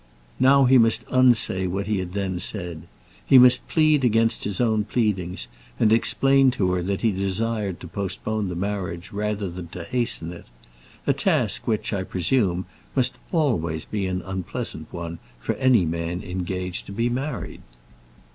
Now he must unsay what he had then said. He must plead against his own pleadings, and explain to her that he desired to postpone the marriage rather than to hasten it a task which, I presume, must always be an unpleasant one for any man engaged to be married.